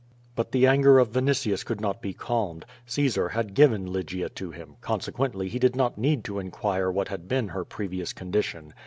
But the anger of Vinitius could not be calmed. Caesar had given Lygia to him, consequently he did not need to in quire what had been her previous condition.